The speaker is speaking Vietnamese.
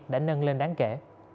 đã nâng lên đáng kể